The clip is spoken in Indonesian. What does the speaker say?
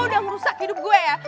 udah merusak hidup gue ya